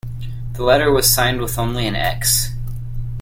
The letter was signed with only an X.